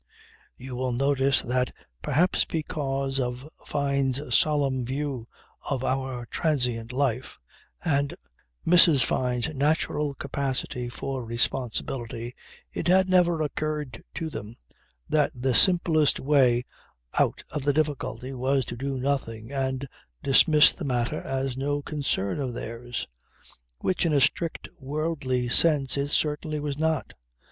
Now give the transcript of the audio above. You will notice that perhaps because of Fyne's solemn view of our transient life and Mrs. Fyne's natural capacity for responsibility, it had never occurred to them that the simplest way out of the difficulty was to do nothing and dismiss the matter as no concern of theirs. Which in a strict worldly sense it certainly was not.